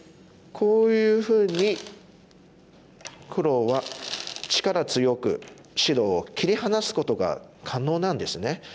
こういうふうに黒は力強く白を切り離すことが可能なんですね。